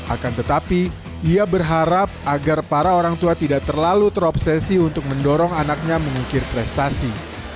akan tetapi ia berharap agar para orang tua tidak terlalu terobsesi untuk mendorong anaknya mengukir prestasi